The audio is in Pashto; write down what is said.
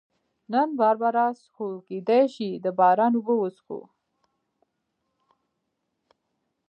نن باربرا څښو، سبا کېدای شي د باران اوبه وڅښو.